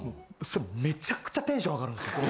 めちゃくちゃテンション上がるですよ。